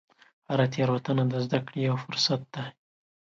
هره تېروتنه د زده کړې یو فرصت دی.